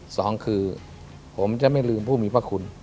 สองคือผมจะไม่ลืมผู้มีพระคุณ